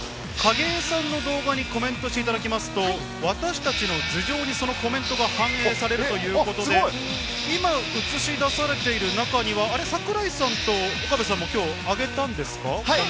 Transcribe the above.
景井さんの動画にコメントしていただきますと、私たちの頭上に、そのコメントが反映されるということで、今、映し出されている中には桜井さんと岡部さんも挙げたんですか？